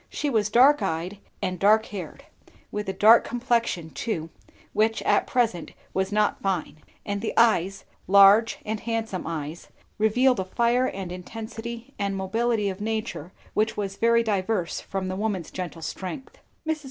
She was dark eyed and dark haired; with a dark complexion too, which at present was not fine; and the eyes, large and handsome eyes, revealed a fire and intensity and mobility of nature which was very diverse from the woman's gentle strength. Mrs.